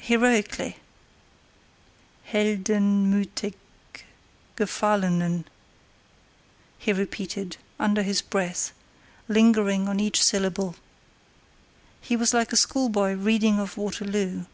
—"Heroically."—"Heldenmüthig gefallenen," he repeated, under his breath, lingering on each syllable. He was like a schoolboy reading of Waterloo.